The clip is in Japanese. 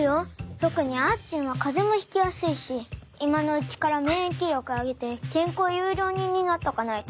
特にあーちんは風邪もひきやすいし今のうちから免疫力上げて健康優良人になっとかないと。